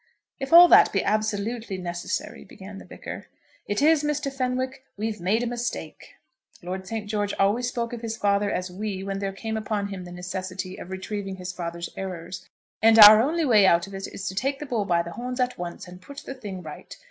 "If all that be absolutely necessary " began the Vicar. "It is, Mr. Fenwick; we've made a mistake." Lord St. George always spoke of his father as "we," when there came upon him the necessity of retrieving his father's errors. "And our only way out of it is to take the bull by the horns at once and put the thing right.